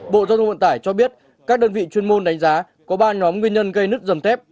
bộ giao thông vận tải cho biết các đơn vị chuyên môn đánh giá có ba nhóm nguyên nhân gây nứt dầm thép